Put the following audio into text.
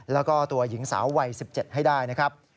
และหญิงสาววัย๑๗ให้ได้นะครับ